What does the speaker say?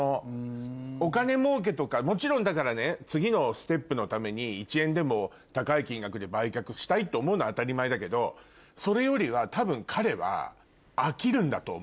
お金もうけとかもちろんだからね次のステップのために１円でも高い金額で売却したいって思うのは当たり前だけどそれよりは。